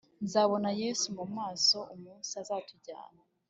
nzabona yesu mu maso, umuns’ azatujyana